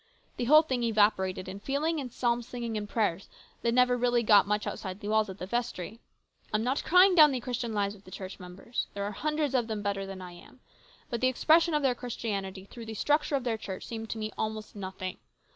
The whole thing evaporated in feeling and psalm singing and prayers that never really got much outside the walls of the vestry. I'm not crying down the Christian lives of the church members. There are hundreds of them better than I am. But the expression of their Christianity through the structure of the church seemed to me almost nothing.